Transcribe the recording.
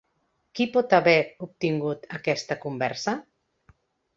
Qui pot haver obtingut aquesta conversa?